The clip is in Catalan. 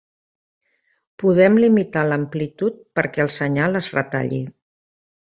Podem limitar l'amplitud perquè el senyal es retalli.